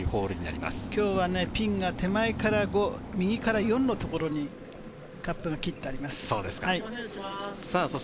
今日はピンが手前から５、右から４のところにカップが切ってあります。